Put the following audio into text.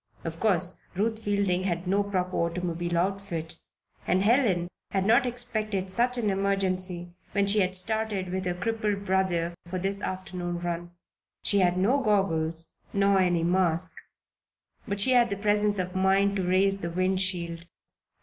Of course, Ruth Fielding had no proper automobile outfit, and Helen had not expected such an emergency when she had started with her crippled brother for this afternoon run. She had no goggles, nor any mask; but she had the presence of mind to raise the wind shield.